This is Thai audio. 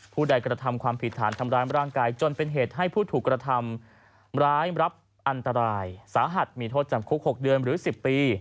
ผู้ใดกระทำความผิดฐานทำร้ายร่างกายจนเป็นเหตุให้ผู้ถูกกระทำร้ายรับอันตรายสาหัสมีโทษจำคุก๖เดือนหรือ๑๐ปี